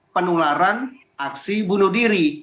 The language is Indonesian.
penularan aksi bunuh diri